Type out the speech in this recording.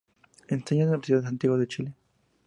Enseña en la Universidad de Santiago de Chile.